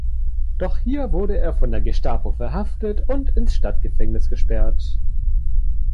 Doch hier wurde er von der Gestapo verhaftet und ins Stadtgefängnis gesperrt.